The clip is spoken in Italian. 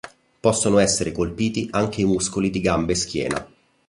Possono essere colpiti anche i muscoli di gambe e schiena.